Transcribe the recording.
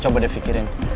coba deh pikirin